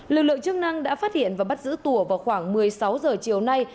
lực lượng chức năng đã phát hiện và bắt giữ tùa vào khoảng một mươi sáu h chiều nay